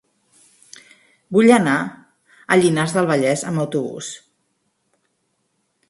Vull anar a Llinars del Vallès amb autobús.